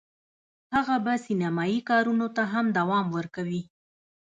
هغه به سینمایي کارونو ته هم دوام ورکوي